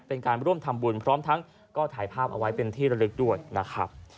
เป็นการร่วมทำบุญพร้อมทั้งก็ถ่ายภาพเอาไว้เป็นที่ระลึกด้วยนะครับ